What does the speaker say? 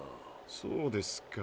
そうですか。